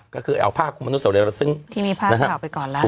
ก็คือเอาผ้าคุมมนุษยซึ่งที่มีผ้าข่าวไปก่อนแล้ว